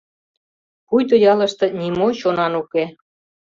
Пуйто ялыште нимо чонан уке.